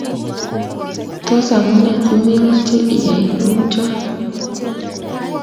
tos amunee si memache iyai kuchot